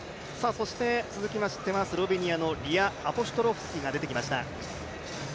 続きましてはスロベニアのリア・アポシュトロフスキが出てきました。